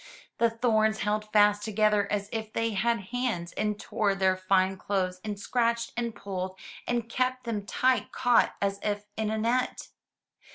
The thorns held fast together as if they had hands and tore their fine clothes, and scratched and pulled and kept them tight caught as if in a net.